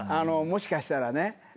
もしかしたらね。